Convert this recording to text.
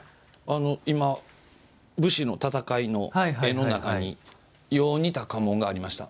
今、武士の戦いの絵の中によう似た家紋がありました。